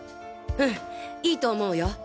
うんいいと思うよ！